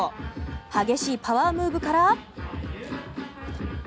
激しいパワームーブから。